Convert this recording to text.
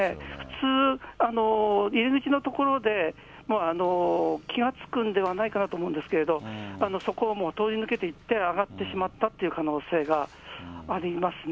普通、入口の所でもう気が付くんではないかなと思うんですけれども、そこを通り抜けていって上がってしまったっていう可能性がありますね。